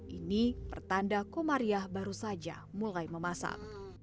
ini pertanda komariah baru saja mulai memasak